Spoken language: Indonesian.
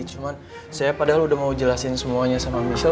cuma saya padahal udah mau jelasin semuanya sama michelle